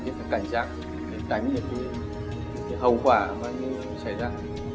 cảnh giác để tránh những hậu quả xảy ra